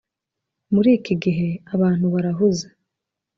Muri iki gihe abantu barahuze